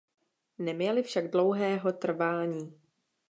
Neměly však dlouhého trvání.